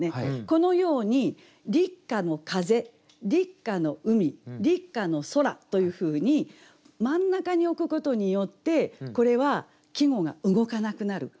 このように「立夏の風」「立夏の海」「立夏の空」というふうに真ん中に置くことによってこれは季語が動かなくなる。